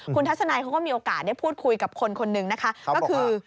คุณทัศนัยเขาก็มีโอกาสได้พูดคุยกับคนคนหนึ่งนะคะก็คือ